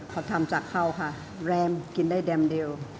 เขาทำจากข้าวค่ะแรมกินได้แรมเดียว